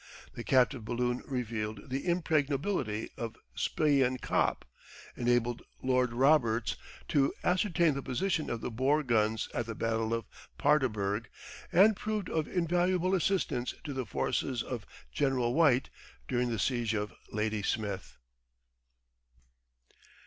The captive balloon revealed the impregnability of Spion Kop, enabled Lord Roberts to ascertain the position of the Boer guns at the Battle of Paardeburg, and proved of invaluable assistance to the forces of General White during the siege of Ladysmith.